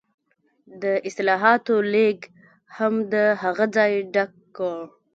د اصلاحاتو لیګ هم د هغه ځای ډک کړ.